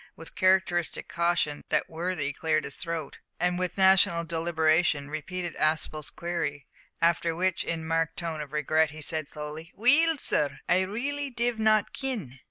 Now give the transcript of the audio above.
With characteristic caution that worthy cleared his throat, and with national deliberation repeated Aspel's query, after which, in a marked tone of regret, he said slowly, "Weel, sir, I really div not ken."